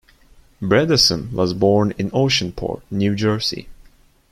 Bredesen was born in Oceanport, New Jersey.